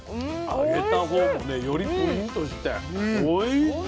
揚げたほうもねよりプリンとしておいしい。